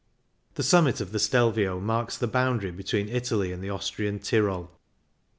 The summit of the Stelvio marks the boundary between Italy and the Austrian Tyrol.